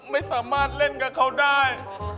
ไม่สามารถเล่นกับเขาได้